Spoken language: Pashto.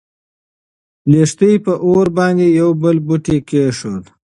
لښتې په اور باندې يو بل بوټی کېښود.